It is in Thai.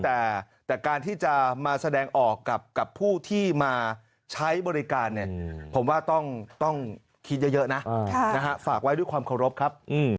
แต่การที่จะมาแสดงออกกับผู้ที่มาใช้บริการเนี่ยผมว่าต้องคิดเยอะนะฝากไว้ด้วยความเคารพครับ